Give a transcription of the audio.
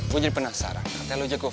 gue jadi penasaran katanya lo jago fight